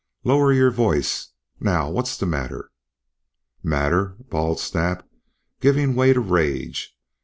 "Lower your voice. Now what's the matter?" "Matter!" bawled Snap, giving way to rage.